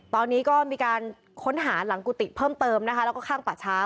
ตอนนี้ก็มีการค้นหาหลังกุฏิเพิ่มเติมนะคะแล้วก็ข้างป่าช้า